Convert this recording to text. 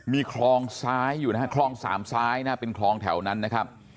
มีคลองซ้ายอยู่นะฮะคลองสามซ้ายนะเป็นคลองแถวนั้นนะครับ